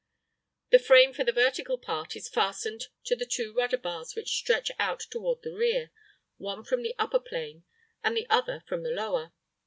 The frame for the vertical part is fastened to the two rudder bars which stretch out toward the rear, one from the upper plane, and the other from the lower.